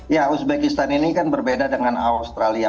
ya uzbekistan ini kan berbeda dengan australia